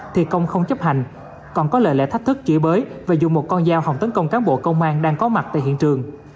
thì công không chấp hành còn có lệ lệ thách thức chỉ bới và dùng một con dao hỏng tấn công cán bộ công an đang có mặt tại hiện trường